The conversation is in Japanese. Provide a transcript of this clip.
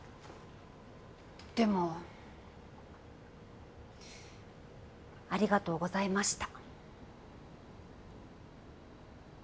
でもありがとうございました。